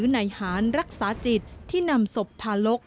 การรักษาจิตที่นำศพพาลก